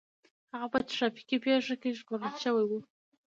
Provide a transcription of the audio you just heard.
هغه په ټرافيکي پېښه کې ژغورل شوی و